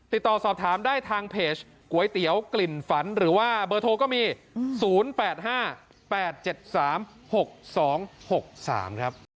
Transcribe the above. ติดต่อสอบถามได้ทางเพจก๋วยเตี๋ยวกลิ่นฝันหรือว่าเบอร์โทรก็มีศูนย์แปดห้าแปดเจ็ดสามหกสองหกสามครับ